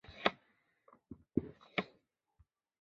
布里翁河畔苏塞。